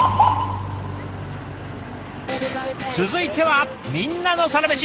続いては「みんなのサラメシ」！